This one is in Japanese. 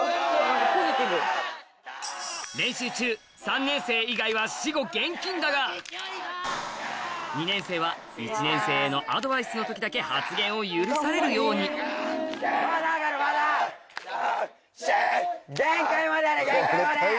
練習中３年生以外は私語厳禁だが２年生は１年生へのアドバイスの時だけ発言を許されるように限界まで！